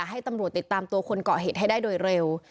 ให้ตำรวจติดตามตัวคนเกาะเหตุให้ได้โดยเร็ว